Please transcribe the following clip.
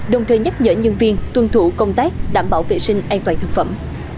đồng thời nhắc nhở nhân viên tuân thủ công tác đảm bảo vệ sinh an toàn thực phẩm